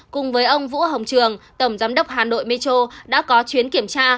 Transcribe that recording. cùng với ông vũ hồng trường tổng giám đốc hà nội metro đã có chuyến kiểm tra